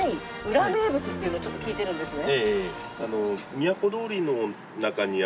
裏名物っていうのをちょっと聞いてるんですね。